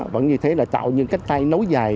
vẫn như thế là tạo những cái tay nối dài